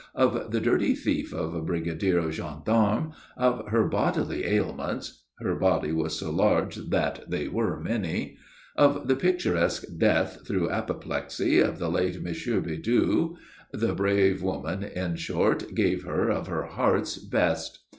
of the dirty thief of a brigadier of gendarmes, of her bodily ailments her body was so large that they were many; of the picturesque death, through apoplexy, of the late M. Bidoux; the brave woman, in short, gave her of her heart's best.